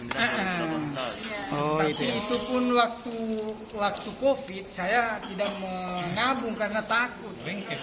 tapi itu pun waktu covid saya tidak mengabung karena takut